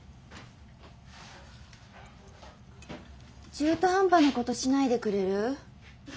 中途半端なことしないでくれる？